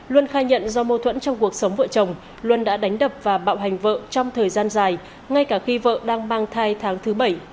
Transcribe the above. luân khai nhận do mâu thuẫn trong cuộc sống vợ chồng luân đã đánh đập và bạo hành vợ trong thời gian dài ngay cả khi vợ đang mang thai tháng thứ bảy